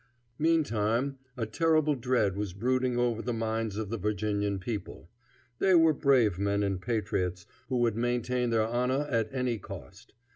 Meantime a terrible dread was brooding over the minds of the Virginian people. They were brave men and patriots, who would maintain their honor at any cost.